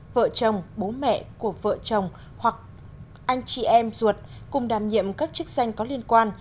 vợ chồng bố mẹ của vợ chồng hoặc anh chị em ruột cùng đàm nhiệm các chức danh có liên quan